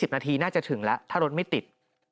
นาทีน่าจะถึงแล้วถ้ารถไม่ติด